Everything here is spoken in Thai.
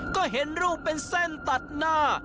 ก็เห็นรูปเป็นเส้นตัดหน้า